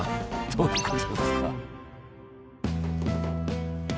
どういうことですか？